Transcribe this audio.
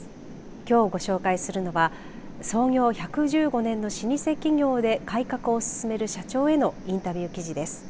きょうご紹介するのは創業１１５年の老舗企業で改革を進める社長へのインタビュー記事です。